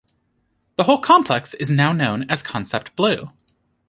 The whole complex is now known as "Concept Blue".